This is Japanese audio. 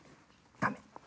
ダメ！